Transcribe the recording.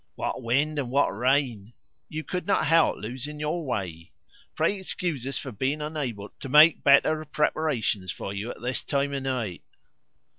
What wind and what rain! You could not help losing your way. Pray excuse us for being unable to make better preparations for you at this time of night."